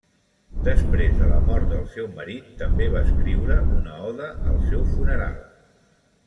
Després de la mort del seu marit també va escriure una oda al seu funeral.